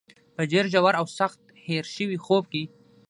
په ډېر ژور او سخت هېر شوي خوب کې.